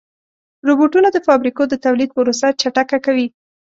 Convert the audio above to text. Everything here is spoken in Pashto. روبوټونه د فابریکو د تولید پروسه چټکه کوي.